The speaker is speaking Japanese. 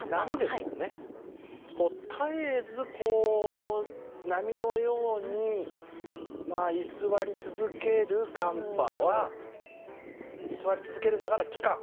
絶えず波のように居座り続ける寒波は居座り続けるんだから期間。